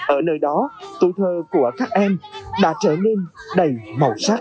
ở nơi đó tuổi thơ của các em đã trở nên đầy màu sắc